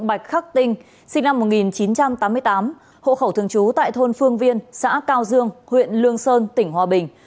bạch khắc tinh sinh năm một nghìn chín trăm tám mươi tám hộ khẩu thường trú tại thôn phương viên xã cao dương huyện lương sơn tỉnh hòa bình